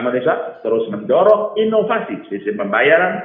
pemerintah terus mendorong inovasi sistem pembayaran